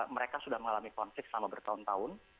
mereka sudah mengalami konflik selama bertahun tahun